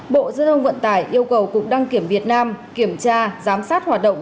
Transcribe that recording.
bộ giao thông vận tải yêu cầu cục đăng kiểm việt nam kiểm tra giám sát hoạt động